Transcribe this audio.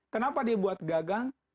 kenapa dibuat gagang